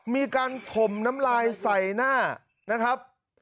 มีการถมน้ำลายใส่หน้านะครับ